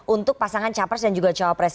untuk pasangan capres dan juga cawapres